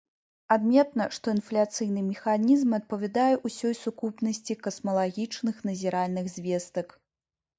Адметна, што інфляцыйны механізм адпавядае ўсёй сукупнасці касмалагічных назіральных звестак.